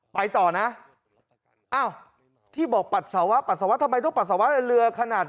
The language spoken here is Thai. ไปต่อนะอ้าวที่บอกปัสสาวะปัสสาวะทำไมต้องปัสสาวะในเรือขนาด